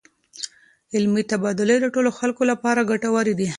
علمي تبادلې د ټولو خلکو لپاره ګټورې دي.